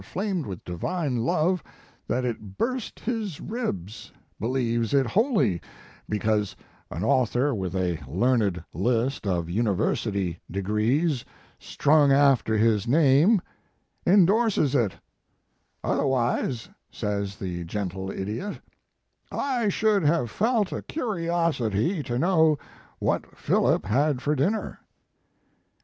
flamed with divine love that it burst his ribs believes it wholly, because an author with a learned list of university degrees strung after his name endorses it otherwise, says the gentle idiot, I should have felt a curiosity to know what Philip had for dinner.